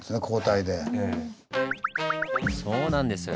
そうなんです